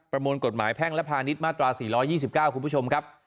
มวลกฎหมายแพ่งและพาณิชย์มาตรา๔๒๙คุณผู้ชมครับ